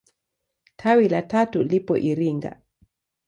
Tawi la tatu lipo Iringa.